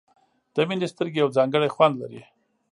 د مینې سترګې یو ځانګړی خوند لري.